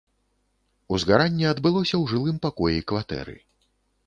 Узгаранне адбылося ў жылым пакоі кватэры.